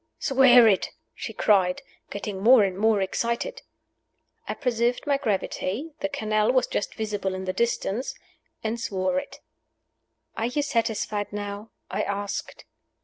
"Swear it!" she cried, getting more and more excited. I preserved my gravity (the canal was just visible in the distance), and swore it. "Are you satisfied now?" I asked.